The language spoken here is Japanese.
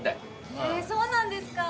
へえそうなんですか？